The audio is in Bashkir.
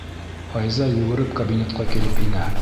Файза йүгереп кабинетҡа килеп инә.